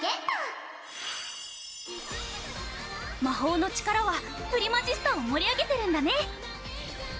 魔法の力はプリマジスタを盛り上げてるんだね。